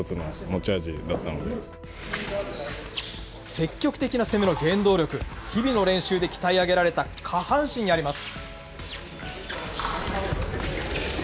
積極的な攻めの原動力、日々の練習で鍛え上げられた下半身にあります。